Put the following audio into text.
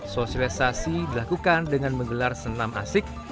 sosialisasi dilakukan dengan menggelar senam asik